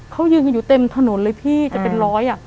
เขายืนกันอยู่เต็มถนนเลยพี่จะเป็นร้อย